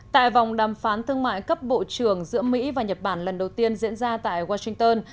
tại vòng đàm phán thương mại cấp bộ trưởng giữa mỹ và nhật bản lần đầu tiên diễn ra tại washington